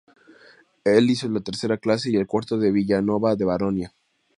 Él hizo la tercera clase y el cuarto en Vila Nova da Baronia.